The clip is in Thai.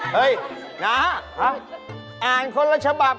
เฮ่ยหนาห้ะ